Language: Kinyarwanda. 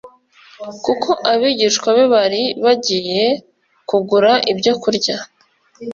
kuko abigishwa be bari bagiye kugura ibyo kurya.